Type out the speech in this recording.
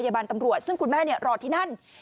พยาบาลตำรวจซึ่งคุณแม่รอที่นั่น